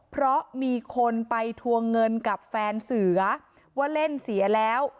เพราะมีคนไปทวงเงินกับแฟนเสือว่าเล่นเสียแล้ว